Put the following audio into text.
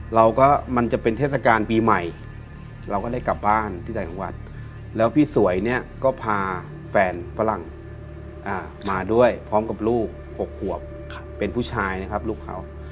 มันก็มันจะเป็นเทศกาลปีใหม่เราก็ได้กลับบ้านที่ใจของวัดแล้วพี่สวยเนี่ยก็พาแฟนฝรั่งมาด้วยพร้อมกับลูก๖ขวบเป็นผู้ชายนะครับลูกเขา